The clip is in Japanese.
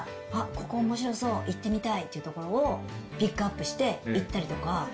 ここ面白そう行ってみたいという所をピックアップして行ったりとか。